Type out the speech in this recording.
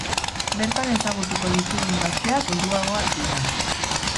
Bertan ezagutuko ditugun gazteak helduagoak dira.